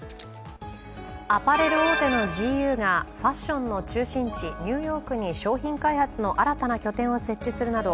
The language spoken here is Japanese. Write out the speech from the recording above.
アパレル大手のＧＵがファッションの中心地、ニューヨークに商品開発の新たな拠点を設置するなど